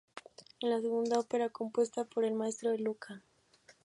Es la segunda ópera compuesta por el maestro de Lucca.